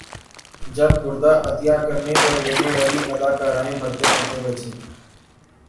جب گردہ عطیہ کرنے اور لینے والی اداکارائیں مرتے مرتے بچیں